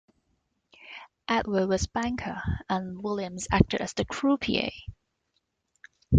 Edward was banker and Williams acted as the croupier.